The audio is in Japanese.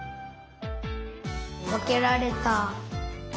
わけられた。